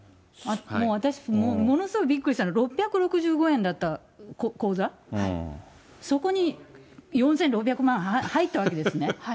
もう私、ものすごいびっくりしたのは、６６５円だった口座、そこに４６００万入ったわけです